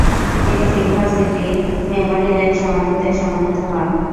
তিনি সিলভার সিটির Memory Lane সমাধিতে সমাহিত হন।